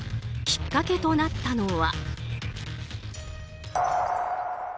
きっかけとなったのは。